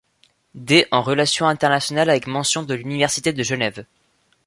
D en relations internationales avec mention de l'université de Genève.